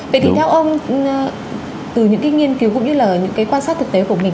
vậy thì theo ông từ những cái nghiên cứu cũng như là những cái quan sát thực tế của mình